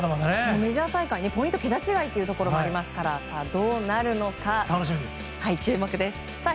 メジャー大会はポイントも桁違いというのがありますからどうなるか注目です。